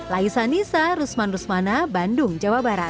laisa nisa rusman rusmana bandung jawa barat